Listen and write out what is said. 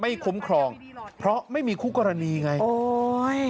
คุ้มครองเพราะไม่มีคู่กรณีไงโอ้ย